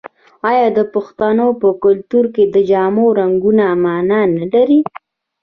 آیا د پښتنو په کلتور کې د جامو رنګونه مانا نلري؟